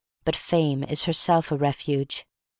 But Fa'me is herself a refuge.